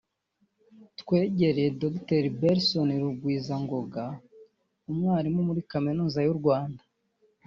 twegereye Dr Belson Rugwizangoga umwarimu muri Kaminuza y’u Rwanda